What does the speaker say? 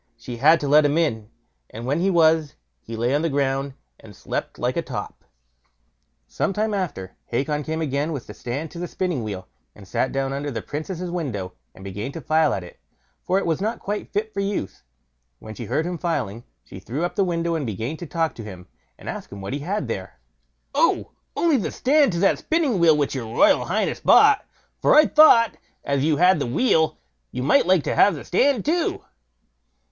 She had to let him in, and when he was, he lay on the ground and slept like a top. Some time after, Hacon came again with the stand to the spinning wheel, and sat down under the Princess' window, and began to file at it, for it was not quite fit for use. When she heard him filing, she threw up the window and began to talk to him, and to ask what he had there. "Oh! only the stand to that spinning wheel which your royal highness bought; for I thought, as you had the wheel, you might like to have the stand too."